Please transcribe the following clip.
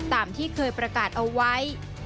ตามที่เคยประกาศเอาไว้